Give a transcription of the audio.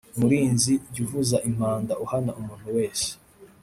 murinzi, jy’ uvuz’ impanda, uhana umuntu wese